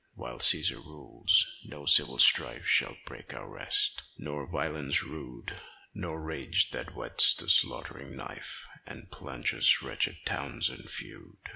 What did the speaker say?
While Caesar rules, no civil strife Shall break our rest, nor violence rude, Nor rage, that whets the slaughtering knife And plunges wretched towns in feud.